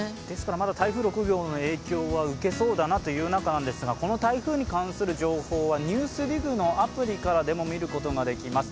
まだ台風６号の影響は受けそうだなという中なんですがこの台風に関する情報は「ＮＥＷＳＤＩＧ」のアプリからでも見ることができます。